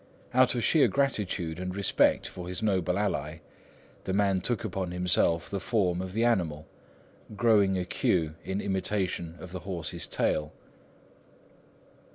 Out of sheer gratitude and respect for his noble ally, the man took upon himself the form of the animal, growing a queue in imitation of the horse's tail.